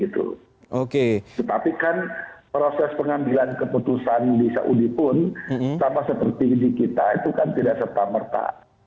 tetapi kan proses pengambilan keputusan di saudi pun sama seperti di kita itu kan tidak serta merta